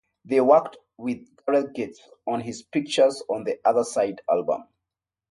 They also worked with Gareth Gates on his "Pictures of the Other Side" album.